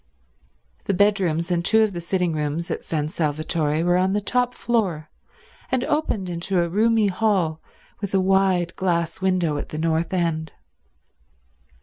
The bedrooms and two of the sitting rooms at San Salvatore were on the top floor, and opened into a roomy hall with a wide glass window at the north end.